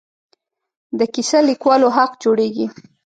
د کیسه لیکوالو حق جوړېږي.